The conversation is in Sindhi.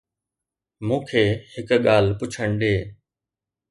مون کي هڪ ڳالهه پڇڻ ڏي